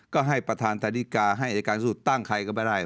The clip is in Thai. ก็ให้ประธานธนิกาให้อาจารย์สูตรตั้งใครก็ได้เลย